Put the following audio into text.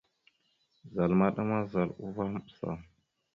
Zal maɗa ma, zal uvah maɓəsa.